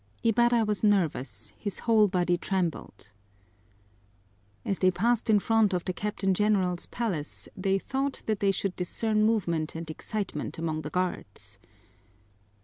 Ibarra was nervous, his whole body trembled. As they passed in front of the Captain General's palace they thought that they could discern movement and excitement among the guards.